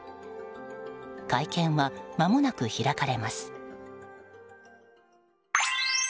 会見は、まもなく開かれます。